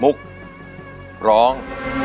มุกร้อง